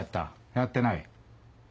やってない？